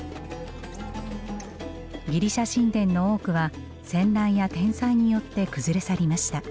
ギリシャ神殿の多くは戦乱や天災によって崩れ去りました。